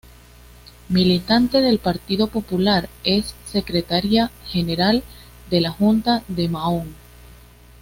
Militante del Partido Popular, es secretaria general de la junta de Mahón.